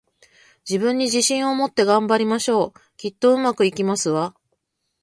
自分に自信を持って、頑張りましょう！きっと、上手くいきますわ